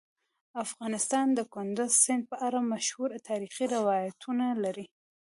افغانستان د کندز سیند په اړه مشهور تاریخی روایتونه لري.